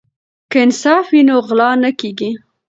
که انصاف وي نو غلا نه کیږي.